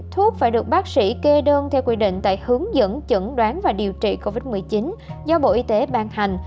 thuốc phải được bác sĩ kê đơn theo quy định tại hướng dẫn chẩn đoán và điều trị covid một mươi chín do bộ y tế ban hành